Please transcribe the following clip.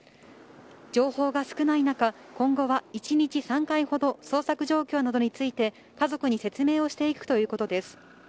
情報が少ない中、今後は１日３回ほど、捜索状況などについて家族に説明をしていくということです。